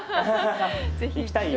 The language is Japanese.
行きたいよ。